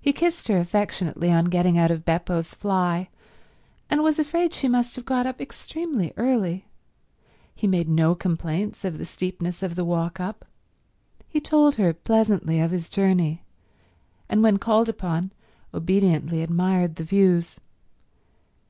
He kissed her affectionately on getting out of Beppo's fly, and was afraid she must have got up extremely early; he made no complaints of the steepness of the walk up; he told her pleasantly of his journey, and when called upon, obediently admired the views.